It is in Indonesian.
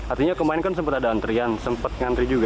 artinya kemarin kan sempat ada antrian ikut antri juga